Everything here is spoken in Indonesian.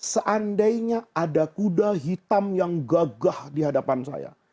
seandainya ada kuda hitam yang gagah di hadapan saya